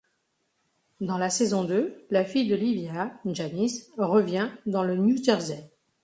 Dans la saison deux, la fille de Livia, Janice, revient dans le New-Jersey.